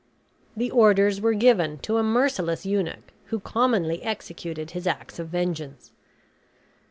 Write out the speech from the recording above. The orders were given to a merciless eunuch, who commonly executed his acts of vengeance.